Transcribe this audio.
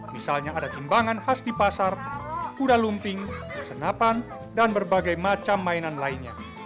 misalnya ada timbangan khas di pasar kuda lumping senapan dan berbagai macam mainan lainnya